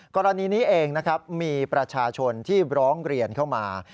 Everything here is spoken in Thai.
กรณีนี้เองนะครับมีประชาชนที่ร้องเรียนเข้ามา